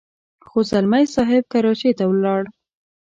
خو ځلمی صاحب کراچۍ ته ولاړ.